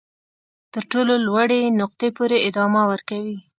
تر تر ټولو لوړې نقطې پورې ادامه ورکوي.